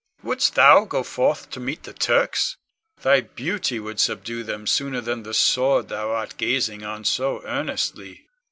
Wouldst thou go forth to meet the Turks? Thy beauty would subdue them sooner than the sword thou art gazing on so earnestly.